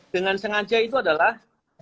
dengan sengaja itu adalah